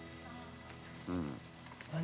うん。